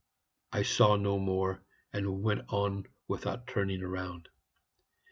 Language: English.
I saw no more, and went on without turning round.